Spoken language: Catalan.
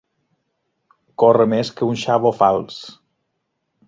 Córrer més que un xavo fals.